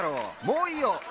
もういいよっ！